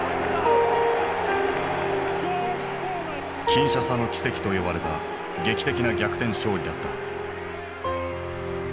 「キンシャサの奇跡」と呼ばれた劇的な逆転勝利だった。